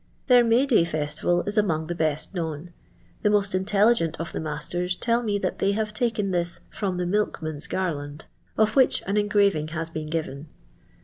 Their May day festival is among the belt known. The most intelligent of the masters tft ll me that they have taken this from the milkmen's garland " (of which an engraving has been given).